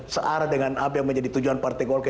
searah dengan apa yang menjadi tujuan partai golkar